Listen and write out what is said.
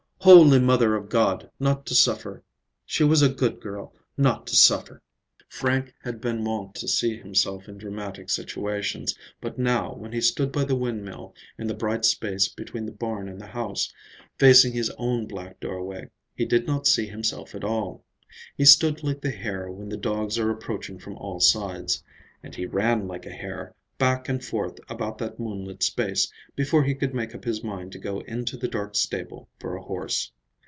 "Holy Mother of God, not to suffer! She was a good girl—not to suffer!" Frank had been wont to see himself in dramatic situations; but now, when he stood by the windmill, in the bright space between the barn and the house, facing his own black doorway, he did not see himself at all. He stood like the hare when the dogs are approaching from all sides. And he ran like a hare, back and forth about that moonlit space, before he could make up his mind to go into the dark stable for a horse.